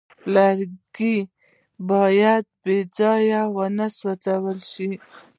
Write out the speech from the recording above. لرګی باید بېځایه ونه سوځول شي.